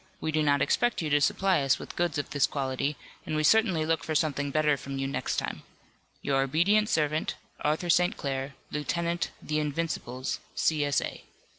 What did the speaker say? We do not expect you to supply us with goods of this quality, and we certainly look for something better from you next time. "Your obedient servant, ARTHUR ST. CLAIR, Lieutenant 'The Invincibles,' C. S. A."